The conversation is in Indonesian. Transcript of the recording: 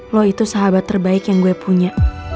lo itu sahabat terbaik yang gue punya